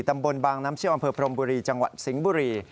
ตำบลบางน้ำเชี่ยวอำเภอพรมบุรีจังหวัดสิงห์บุรี